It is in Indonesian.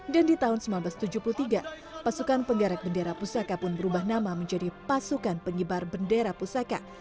dan di tahun seribu sembilan ratus tujuh puluh tiga pasukan penggerek bendera pusaka pun berubah nama menjadi pasukan pengibar bendera pusaka